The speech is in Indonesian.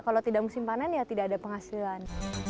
kalau tidak musim panen ya tidak ada penghasilan